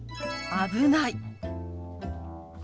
危ない。